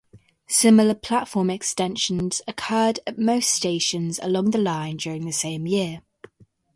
Similar platform extensions occurred at most stations along the line during the same year.